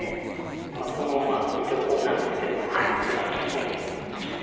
この一応コウなんですけど手段が残ると。